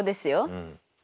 うん。